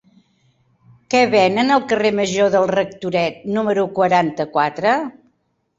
Què venen al carrer Major del Rectoret número quaranta-quatre?